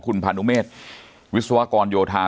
คุณพานุเมษวิศวกรโยธา